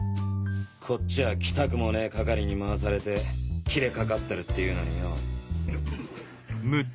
こっちは来たくもねえ係に回されてキレかかってるっていうのによぉ。